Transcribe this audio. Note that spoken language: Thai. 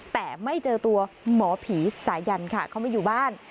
แต่ไม่เจอตัวหมอผีสายันค่ะเขาไม่อยู่บ้าน